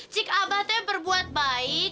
jika abah itu berbuat baik